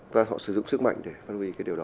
và họ sử dụng sức mạnh để phát huy cái điều đó